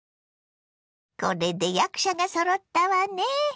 これで役者がそろったわね。